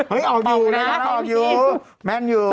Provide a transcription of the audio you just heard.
เฮ้ยออกอยู่นะออกอยู่แม่งอยู่